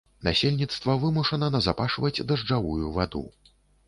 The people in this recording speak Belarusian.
Насельніцтва вымушана назапашваць дажджавую ваду.